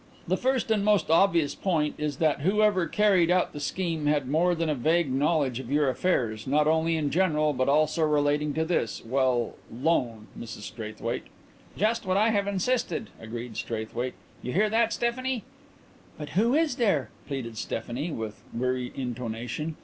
"The first and most obvious point is that whoever carried out the scheme had more than a vague knowledge of your affairs, not only in general but also relating to this well, loan, Mrs Straithwaite." "Just what I have insisted," agreed Straithwaite. "You hear that, Stephanie?" "But who is there?" pleaded Stephanie, with weary intonation.